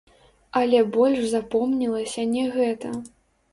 Але больш запомнілася не гэта.